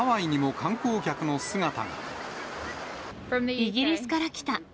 イギリスから来た。